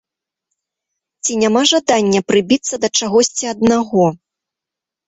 Ці няма жадання прыбіцца да чагосьці аднаго?